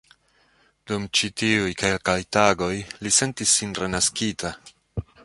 Dum ĉi tiuj kelkaj tagoj li sentis sin renaskita.